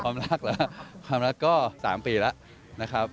ความรักแล้วความรักก็๓ปีแล้วนะครับ